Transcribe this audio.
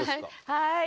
はい。